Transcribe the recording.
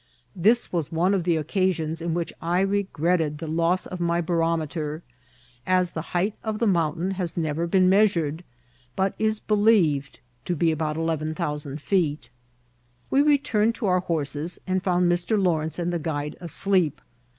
This was one of the occasions in which I regretted the loss of my barome ter, as the height of the mountain has never been meas ured, but is believed to be about eleven thousand fe^t We returned to our horses, and found Mr. Lawrence and the guide asleep.